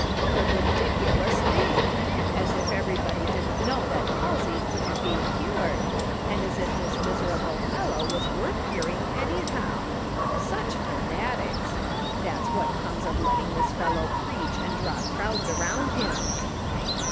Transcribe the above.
"What a ridiculous thing ! As if everybody didn't know that palsy couldn't be cured, and as if this miserable fellow was worth curing, anyhow. Such fanatics ! That's what comes of letting this fellow preach and draw crowds around him